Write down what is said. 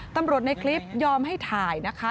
ในคลิปยอมให้ถ่ายนะคะ